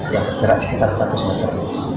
yang jarak sekitar seratus meter